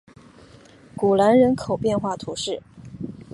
古兰人口变化图示